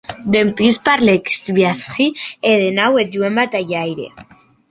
Dempús parlèc Sviajsky, e de nau eth joen batalhaire.